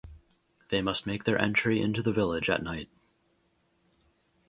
They must make their entry into the village at night.